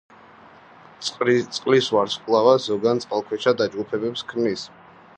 წყლის ვარსკვლავა ზოგან წყალქვეშა დაჯგუფებებს ქმნის.